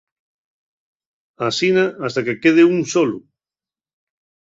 Asina, hasta que quede ún solu.